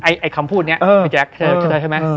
ไอ้คำพูดนี้พี่แจ๊คใช่ไหม